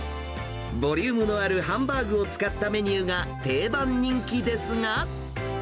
ボリュームのあるハンバーグを使ったメニューが定番人気ですが。